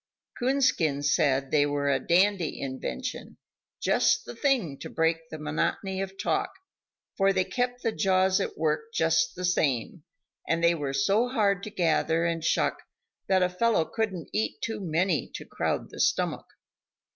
Coonskin said they were a dandy invention, just the thing to break the monotony of talk, for they kept the jaws at work just the same; and they were so hard to gather and shuck that a fellow couldn't eat too many to crowd the stomach.